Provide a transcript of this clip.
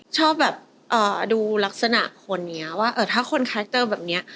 ชอบแบบดูลักษณะคนนี้ว่าถ้าคนคาแคคเตอร์แบบนี้